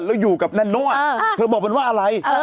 แล้วอยู่กับแนโน่เธอบอกมันว่าอะไร